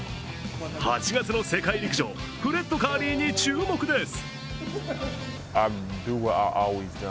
８月の世界陸上フレッド・カーリーに注目です。